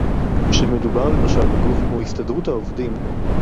כשמדובר למשל בגוף כמו הסתדרות העובדים